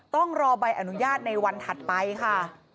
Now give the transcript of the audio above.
ต้องรอใบอนุญาตในวันถัดไปค่ะ